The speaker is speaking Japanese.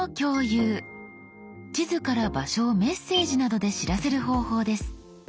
地図から場所をメッセージなどで知らせる方法です。